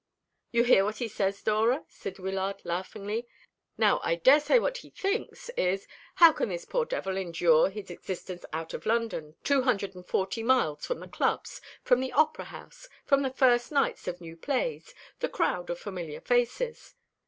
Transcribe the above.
"You hear what he says, Dora," said Wyllard laughingly. "Now, I daresay what he thinks is: 'How can this poor devil endure his existence out of London two hundred and forty miles from the clubs from the opera house from the first nights of new plays the crowd of familiar faces?'